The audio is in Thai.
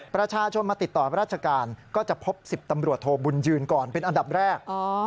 ประชาชนมาติดต่อราชการก็จะพบ๑๐ตำรวจโทบุญยืนก่อนเป็นอันดับแรก